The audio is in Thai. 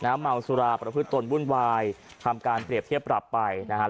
เมาสุราประพฤติตนวุ่นวายทำการเปรียบเทียบปรับไปนะครับ